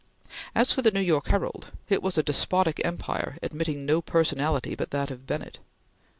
As for the New York Herald, it was a despotic empire admitting no personality but that of Bennett.